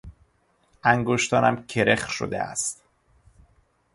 انگشتانم کرخ شده است.